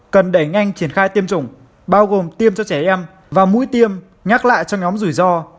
cần đẩy nhanh triển khai tiêm chủng bao gồm tiêm cho trẻ em và mũi tiêm nhắc lại cho nhóm rủi ro